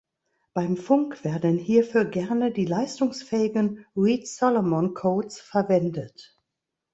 Beim Funk werden hierfür gerne die leistungsfähigen Reed-Solomon-Codes verwendet.